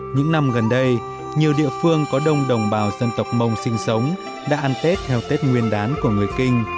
những năm gần đây nhiều địa phương có đông đồng bào dân tộc mông sinh sống đã ăn tết theo tết nguyên đán của người kinh